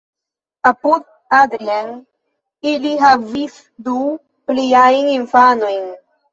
Apud Adrien ili havis du pliajn infanojn.